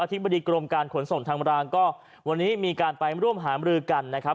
ธิบดีกรมการขนส่งทางรางก็วันนี้มีการไปร่วมหามรือกันนะครับ